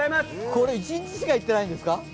これ、１日しか行ってないんですか？